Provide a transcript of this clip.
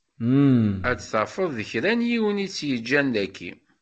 Ad tafeḍ d kra n yiwen i t-yeǧǧan daki.